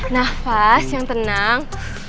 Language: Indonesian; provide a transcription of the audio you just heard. nafas yang tenang